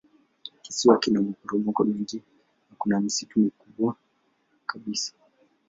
Kisiwa kina maporomoko mengi na kuna misitu mikubwa kabisa.